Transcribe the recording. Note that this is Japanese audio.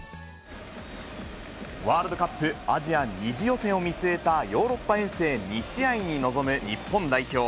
ワールドカップアジア２次予選を見据えたヨーロッパ遠征２試合に臨む日本代表。